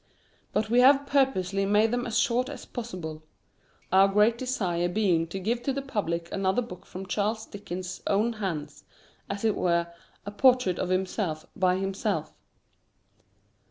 But we have purposely made them as short as possible; our great desire being to give to the public another book from Charles Dickens's own hands as it were, a portrait of himself by himself.